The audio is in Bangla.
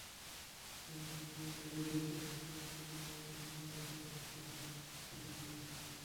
জেলা শিশু একাডেমীর প্রশিক্ষণ কেন্দ্রে আয়োজিত সভায় সভাপতিত্ব করেন সাবরিনা ইয়াসমিন।